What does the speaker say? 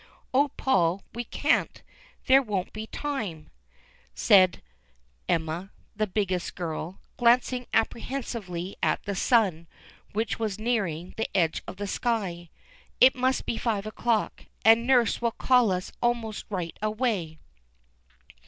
'' Oh, Paul, we can't, there won't be time," said 330 THE CHILDREN'S WONDER BOOK Elma, the biggest girl, glancing apprehensively at the sun which was nearing the edge of the sky. "It must be five o'clock, and nurse will call ns almost right away."